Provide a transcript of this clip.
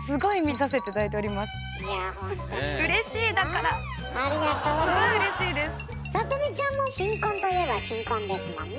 さとみちゃんも新婚といえば新婚ですもんね。